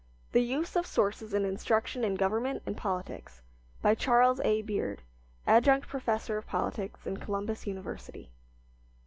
'" The Use of Sources in Instruction in Government and Politics BY CHARLES A. BEARD, ADJUNCT PROFESSOR OF POLITICS IN COLUMBUS UNIVERSITY.